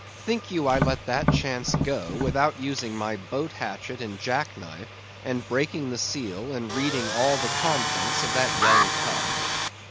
Think you I let that chance go, without using my boat hatchet and jack knife, and breaking the seal and reading all the contents of that young cub?